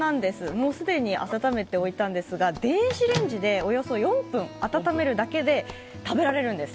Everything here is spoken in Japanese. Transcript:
もう既に温めておいたんですが電子レンジでおよそ４分、温めるだけで食べられるんです。